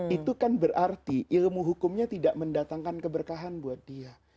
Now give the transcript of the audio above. itu kan berarti ilmu hukumnya tidak mendatangkan keberkahan buat dia